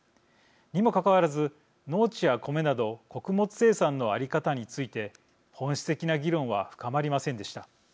にもかかわらず農地やコメなど穀物生産の在り方について本質的な議論は深まりませんでした。